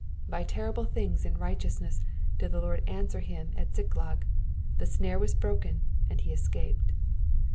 By terrible things in righteousness did the Lord answer him at Ziklag : the snare was broken, and he escaped.